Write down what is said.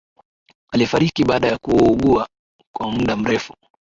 Alifariki baada ya kuugua kwa muda mrefu